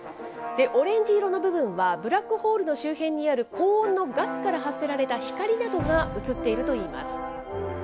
オレンジ色の部分は、ブラックホールの周辺にある高温のガスから発せられた光などが写っているといいます。